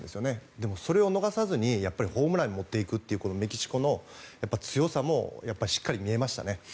でも、それを逃さずにやっぱりホームランに持っていくというメキシコの強さもしっかり見えましたね。